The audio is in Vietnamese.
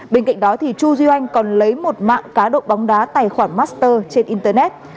bên cạnh đó chu duy anh còn lấy một mạng cá độ bóng đá tài khoản master trên internet